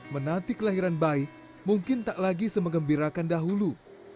menanti kelahiran bayi mungkin tak lagi semengembirakan dahulu